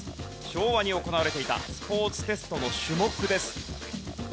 昭和に行われていたスポーツテストの種目です。